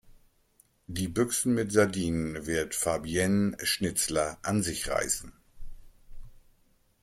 Die Büchsen mit Sardinen wird Fabienne Schnitzler an sich reißen.